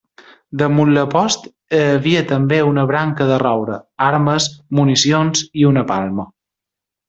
Damunt la post hi havia també una branca de roure, armes, municions i una palma.